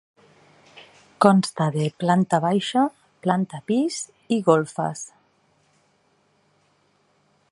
Consta de planta baixa, planta pis i golfes.